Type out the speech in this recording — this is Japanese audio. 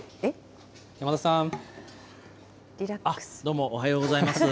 どうも、おはようございます。